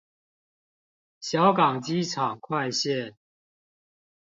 小港機場快線